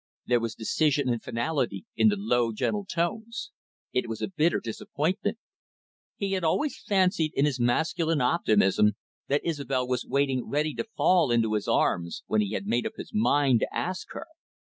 There was decision and finality in the low, gentle tones. It was a bitter disappointment. He had always fancied in his masculine optimism that Isobel was waiting ready to fall into his arms, when he had made up his mind to ask her.